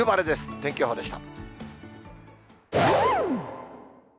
天気予報でした。